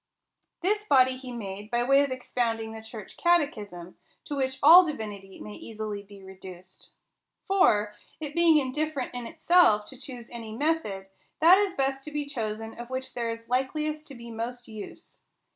This body he made, by way of expounding the church catechism ; to which all divinity may easily be reduced. For, it being indifferent in itself to choose any method, that is best to be chosen of which there is likeliest to be most use.